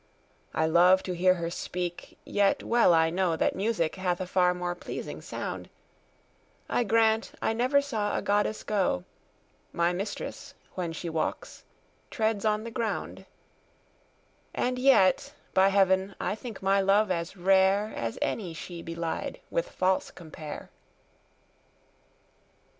I love to hear her speak, yet well I know That music hath a far more pleasing sound: I grant I never saw a goddess go; My mistress, when she walks, treads on the ground: And yet by heaven, I think my love as rare, As any she belied with false compare.